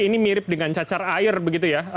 ini mirip dengan cacar air begitu ya